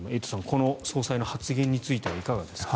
この総裁の発言についてはいかがですか？